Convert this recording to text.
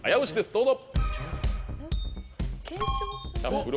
どうぞ。